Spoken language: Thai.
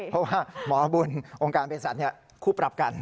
เพราะว่าหมอบุญองค์การเพศสัตว์คู่ปรับกัน